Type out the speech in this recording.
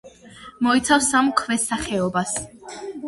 მოიცავს სამ ქვესახეობას.